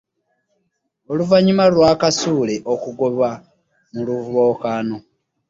Oluvannyuma lwa Kasule okugobwa mu lwokaano